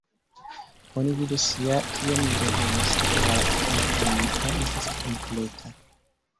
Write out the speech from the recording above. Oni vidos ja, kiam ni revenos, ke la kompanio estas kompleta.